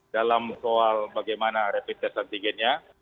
dalam soal bagaimana rapid test antigennya